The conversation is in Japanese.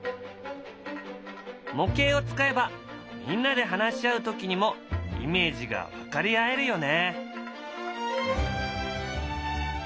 模型を使えばみんなで話し合う時にもイメージが分かり合えるよね。